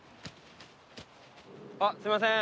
あっすいません！